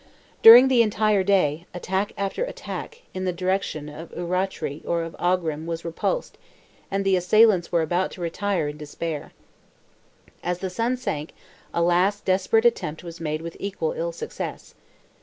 During the entire day, attack after attack, in the direction of Urrachree or of Aughrim was repulsed, and the assailants were about to retire in despair. As the sun sank low, a last desperate attempt was made with equal ill success.